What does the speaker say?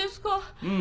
うん。